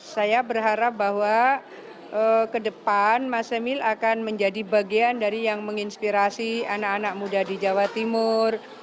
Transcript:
saya berharap bahwa ke depan mas emil akan menjadi bagian dari yang menginspirasi anak anak muda di jawa timur